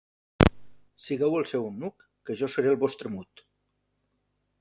Sigueu el seu eunuc, que jo seré el vostre mut.